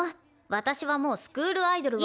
私はもうスクールアイドルは。